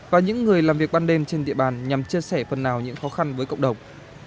và những người làm việc ban đêm trên địa bàn nhằm chia sẻ phần nào những khó khăn với cộng đồng